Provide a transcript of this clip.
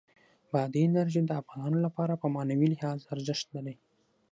بادي انرژي د افغانانو لپاره په معنوي لحاظ ارزښت لري.